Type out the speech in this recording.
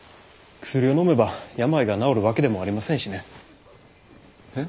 薬をのめば病が治るわけでもありませんしね。え？